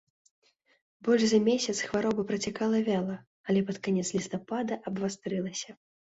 Больш за месяц хвароба працякала вяла, але пад канец лістапада абвастрылася.